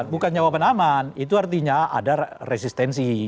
bukan jawaban aman itu artinya ada resistensi